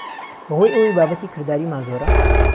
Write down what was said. بههۆی ئهوهی بابهتی کرداریمان زۆره